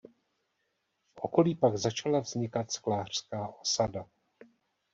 V okolí pak začala vznikat sklářská osada.